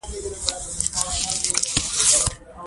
کۀ ځي او کۀ راځي